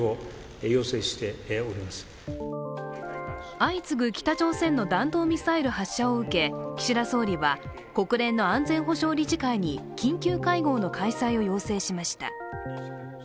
相次ぐ北朝鮮の弾道ミサイル発射を受け岸田総理は国連の安全保障理事会に緊急会合の開催を要請しました。